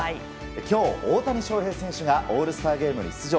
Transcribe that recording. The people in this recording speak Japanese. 今日、大谷翔平選手がオールスターゲームに出場。